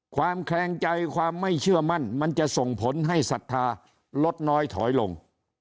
แขลงใจความไม่เชื่อมั่นมันจะส่งผลให้ศรัทธาลดน้อยถอยลง